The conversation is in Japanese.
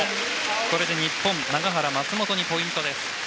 これで日本の永原、松本にポイント。